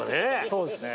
そうですね。